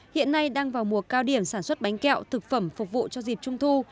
hiện nay đang vào mùa cao điểm sản xuất bánh kẹo thực phẩm phục vụ cho dịp trung thu